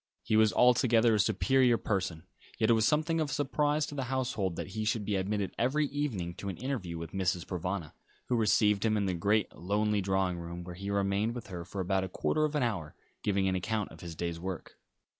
He was altogether a superior person, yet it was something of a surprise to the household that he should be admitted every evening to an interview with Mrs. Provana, who received him in the great, lonely drawing room, where he remained with her for about a quarter of an hour, giving an account of his day's work.